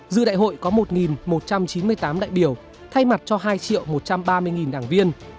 dư đại hội có một một trăm chín mươi tám đại biểu thay mặt cho hai một trăm ba mươi đảng viên